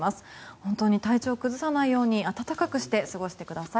本当に体調を崩さないように暖かくして過ごしてください。